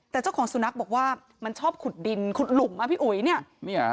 แต่เจ้าของสุนัขบอกว่ามันชอบขุดดินขุดหลุมอ่ะพี่อุ๋ยเนี่ย